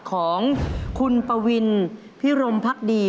สัตว์ของคุณปวินพิรมภักดี